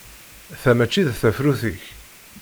Ta mačči d tafrut-ik.